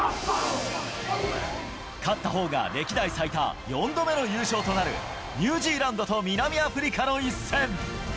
勝ったほうが歴代最多４度目の優勝となる、ニュージーランドと南アフリカの一戦。